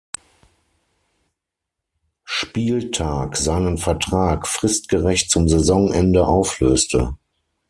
Spieltag seinen Vertrag fristgerecht zum Saisonende auflöste.